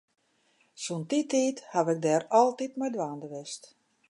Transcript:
Sûnt dy tiid ha ik dêr altyd mei dwaande west.